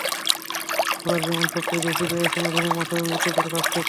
এবার যেমন সবচেয়ে বেশি পেয়েছেন অধিনায়ক মাশরাফি বিন মুর্তজার কাছ থেকে।